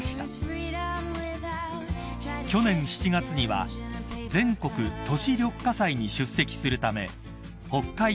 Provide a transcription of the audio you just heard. ［去年７月には全国都市緑化祭に出席するため北海道恵庭市をご訪問］